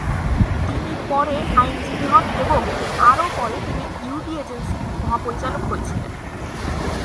তিনি পরে আইনজীবী হন এবং আরও পরে তিনি ইহুদি এজেন্সির এর মহাপরিচালক হয়েছিলেন।